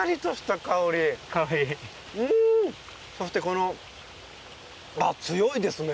そしてこのあ強いですね。